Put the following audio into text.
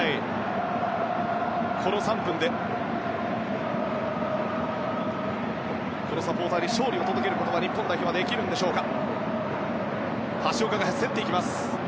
この３分でサポーターに勝利を届けることが日本代表はできるんでしょうか。